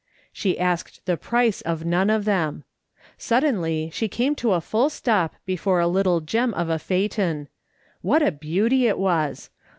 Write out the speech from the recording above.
She asked the price of none of them. Suddenly she came to a full stop before a little gem of a phaeton. What a beauty it was!